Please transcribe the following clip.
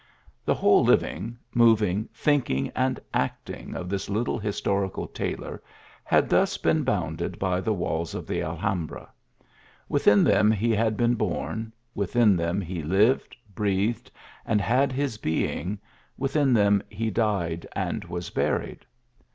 The whole living, moving, thinking and acting of this little his torical tailor, had thus been bounded by the walls of the Alhambra ; within them he had been born, within them he lived, breathed and had his being, within them he died and was buried.